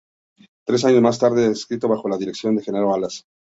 Tres años más tarde resucitó bajo la dirección de Genaro Alas.